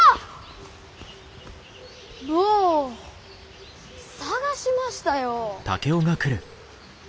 坊捜しましたよ！